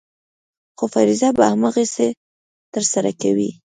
خو فریضه به هماغسې ترسره کوې.